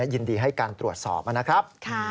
ยินดีให้การตรวจสอบนะครับ